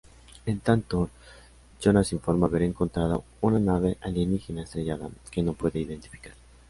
En tanto, Jonas informa haber encontrado una nave alienígena estrellada, que no puede identificar.